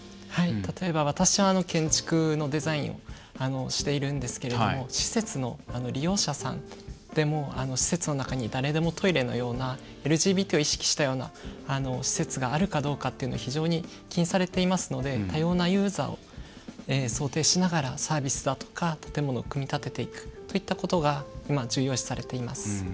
例えば私は建築のデザインをしているんですけども施設の利用者さんでも、施設の中でも誰でもトイレのようなＬＧＢＴを意識したような施設があるかどうかというのを非常に気にされていますので多様なユーザーを想定しながらサービスだとか建物を組み立てていくといったことが今、重要視されています。